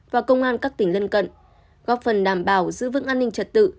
và công an các tỉnh lân cận góp phần đảm bảo giữ vững an ninh trật tự